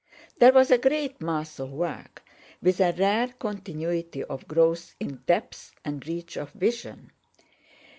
There was a great mass of work with a rare continuity of growth in depth and reach of vision.